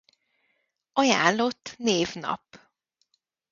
Ajánlott névnap